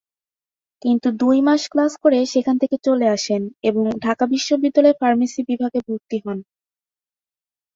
কিন্তু দুই মাস ক্লাস করে সেখান থেকে চলে আসেন এবং ঢাকা বিশ্ববিদ্যালয়ে ফার্মেসি বিভাগে ভর্তি হন।